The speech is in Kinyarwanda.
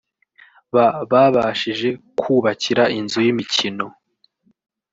bababashije kwyubakira inzu y’imikino